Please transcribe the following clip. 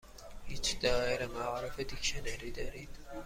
هیچ دائره المعارف دیکشنری دارید؟